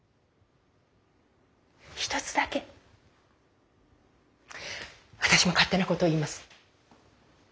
一つだけ私も勝手なことを言います。